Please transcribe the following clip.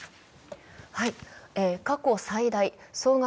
過去最大、総額